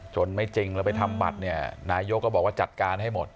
ไม่จริงแล้วไปทำบัตรเนี่ยนายกก็บอกว่าจัดการให้หมด